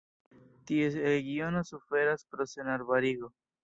Ties regiono suferas pro senarbarigo.